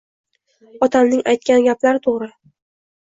Otamning aytgan gaplari to‘g‘ri.